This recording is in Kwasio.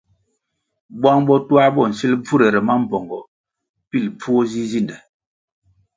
Bwang botuā bo nsil bvurere mambpongo pilʼ bvuo zi zinde.